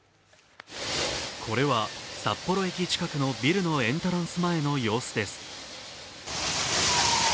これはさっぽろ駅近くのビルのエントランス前の様子です。